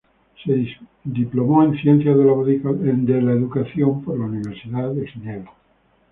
Se diplomó en Ciencias de la Educación por la Universidad de Ginebra.